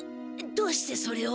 どうしてそれを？